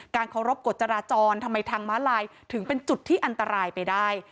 เคารพกฎจราจรทำไมทางม้าลายถึงเป็นจุดที่อันตรายไปได้